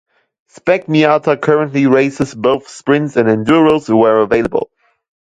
Spec Miata currently races both sprints and enduros where available.